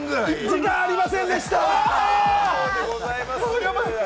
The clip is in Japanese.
時間がありませんでした。